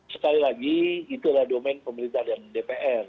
sekali lagi itulah domen pemerintah dan dpr